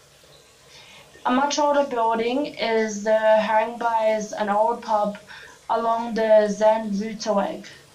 A much older building is the "Haringbuys", an old pub along the Zandvoorterweg.